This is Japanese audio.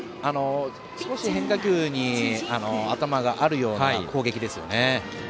少し変化球に頭があるような攻撃ですよね。